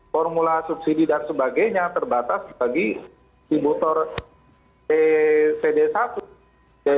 formula subsidi dan sebagainya terbatas bagi distributor cd satu cd empat